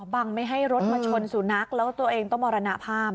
ไม่ให้รถมาชนสุนัขแล้วตัวเองต้องมรณภาพ